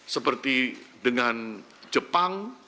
seperti dengan jepang